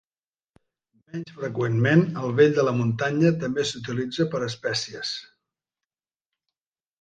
Menys freqüentment, el vell de la muntanya també s'utilitza per a espècies.